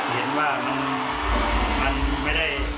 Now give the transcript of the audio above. เห็นว่ามันไม่ได้